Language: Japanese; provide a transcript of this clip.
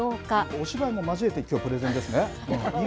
お芝居も交えて、きょうはプレゼンですね。